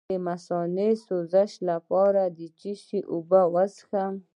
د مثانې د سوزش لپاره د څه شي اوبه وڅښم؟